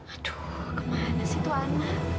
aduh kemana sih tuan